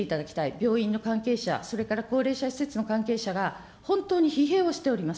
病院の関係者、それから高齢者施設の関係者が本当に疲弊をしております。